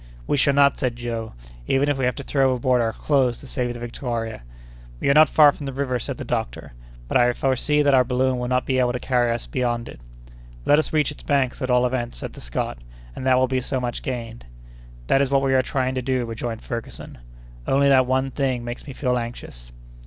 "We shall not," said Joe, "even if we have to throw overboard our clothes to save the Victoria." "We are not far from the river," said the doctor, "but I foresee that our balloon will not be able to carry us beyond it." "Let us reach its banks, at all events," said the Scot, "and that will be so much gained." "That is what we are trying to do," rejoined Ferguson, "only that one thing makes me feel anxious."